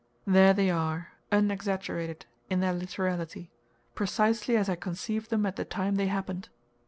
There they are, unexaggerated, in their literality, precisely as I conceived them at the time they happened.